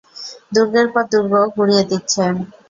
দূর্গের পর দূর্গ গুড়িয়ে দিচ্ছেন।